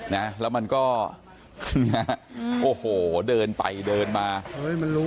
นะแล้วมันก็เนี่ยโอ้โหเดินไปเดินมาโอ้ยมันรู้